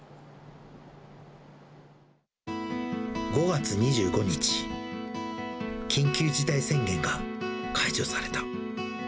５月２５日、緊急事態宣言が解除された。